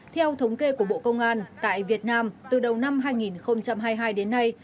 theo thống kê của bộ công an tại việt nam từ đầu năm hai nghìn hai mươi hai đến nay